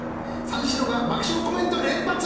「三四郎が爆笑コメント連発！」